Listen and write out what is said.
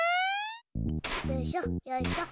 よいしょよいしょ。